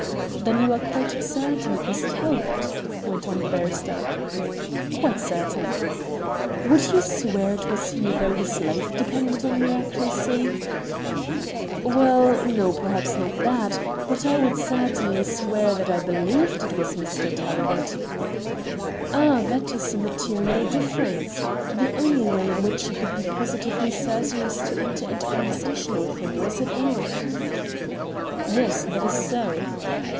"Then you are quite certain it was Talbot?" went on the barrister. "Quite certain." "Would you swear it was he, though his life depended on your accuracy?" "Well, no, perhaps not that; but I would certainly swear that I believed it was Mr. Talbot." "Ah, that is a material difference. The only way in which you could be positively certain was to enter into conversation with him, was it not?" "Yes, that is so."